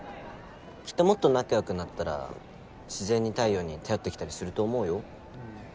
きっともっと仲良くなったら自然に太陽に頼ってきたりすると思うよ。